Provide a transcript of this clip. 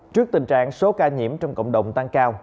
trước tình trạng số ca nhiễm trong cộng đồng tăng cao